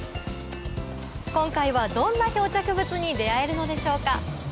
今回はどんな漂着物に出合えるのでしょうか